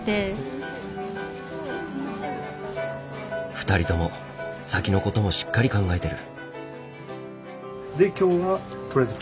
２人とも先のこともしっかり考えてる。